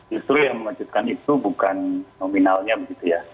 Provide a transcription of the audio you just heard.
justru yang mengejutkan itu bukan nominalnya begitu ya